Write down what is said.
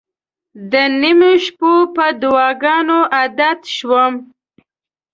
د نیمو شپو په دعاګانو عادت شوم.